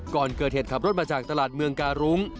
ก่อนเกิดเหตุขับรถมาจากตลาดเมืองการุ้ง